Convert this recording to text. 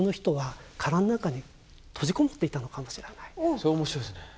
それ面白いですね。